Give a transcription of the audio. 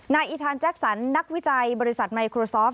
อิทานแจ็คสันนักวิจัยบริษัทไมโครซอฟ